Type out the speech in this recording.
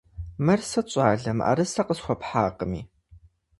Мыр сыт, щӀалэ, мыӀэрысэ къысхуэпхьакъыми?